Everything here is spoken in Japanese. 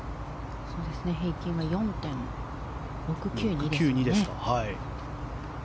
平均が４．６９２ですね。